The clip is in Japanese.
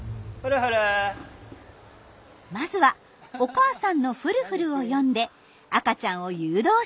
まずはお母さんのフルフルを呼んで赤ちゃんを誘導します。